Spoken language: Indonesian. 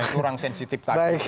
itu orang sensitif